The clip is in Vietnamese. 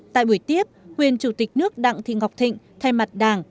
tại buổi tiếp quyền chủ tịch nước đặng thị ngọc thịnh thay mặt đảng